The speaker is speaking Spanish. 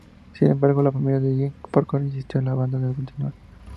Sin embargo, la familia de Jeff Porcaro insistió en la banda de continuar.